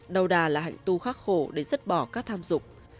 đâu đà là hạnh tu khắc khổ để giấc bỏ các tham dục